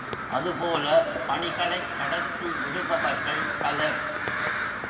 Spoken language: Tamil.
அதுபோல பணிகளைக் கடத்தி விடுபவர்கள் பலர்.